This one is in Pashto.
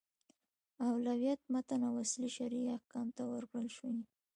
اولویت متن او اصلي شرعي احکامو ته ورکړل شوی.